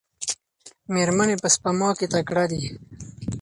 میرمنې په سپما کې تکړه دي.